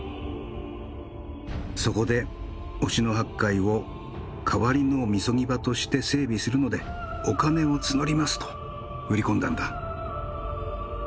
そこで忍野八海を代わりのみそぎ場として整備するのでお金を募りますと売り込んだんだ。